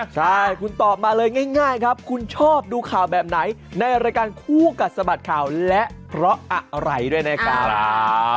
ใช่คุณตอบมาเลยง่ายครับคุณชอบดูข่าวแบบไหนในรายการคู่กัดสะบัดข่าวและเพราะอะไรด้วยนะครับ